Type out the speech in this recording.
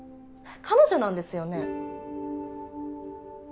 彼女なんですよね？